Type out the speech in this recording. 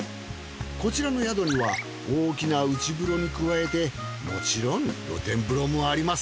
こちらの宿には大きな内風呂に加えてもちろん露天風呂もあります。